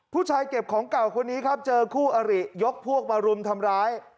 เก็บของเก่าคนนี้ครับเจอคู่อริยกพวกมารุมทำร้าย